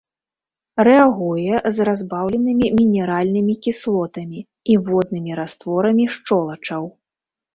Рэагуе з разбаўленымі мінеральнымі кіслотамі і воднымі растворамі шчолачаў.